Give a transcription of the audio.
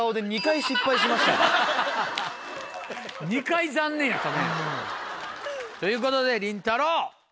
２回残念やったね。ということでりんたろー。